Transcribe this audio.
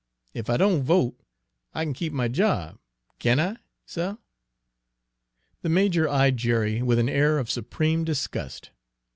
Ef I don' vote, I kin keep my job, can't I, suh?" The major eyed Jerry with an air of supreme disgust.